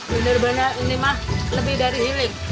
benar benar ini mah lebih dari healing